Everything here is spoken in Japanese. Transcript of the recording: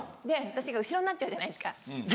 私が後ろになっちゃうじゃないですか。